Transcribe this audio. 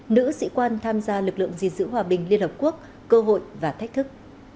nữ sĩ quan tham gia lực lượng gìn giữ hòa bình liên hợp quốc cơ hội và thách thức